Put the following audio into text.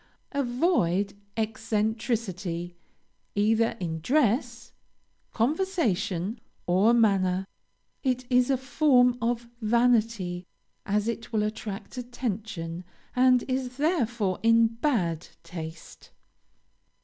Avoid eccentricity either in dress, conversation, or manner. It is a form of vanity, as it will attract attention, and is therefore in bad taste.